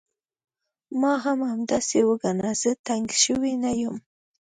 ما هم همداسې وګڼه، زه تنګ شوی نه یم.